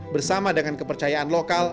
bersama dengan kepercayaan lokal